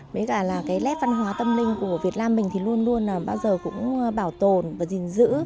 với cả là cái nét văn hóa tâm linh của việt nam mình thì luôn luôn bao giờ cũng bảo tồn và gìn giữ